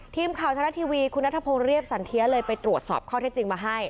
ทีมข่าวธนาทีวีคุณณธพงษ์เรียบสันเทียเลยไปตรวจสอบข้อเท่าที่จริงมาให้